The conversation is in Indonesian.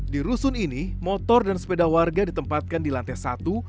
di rusun ini motor dan sepeda warga ditempatkan di lantai satu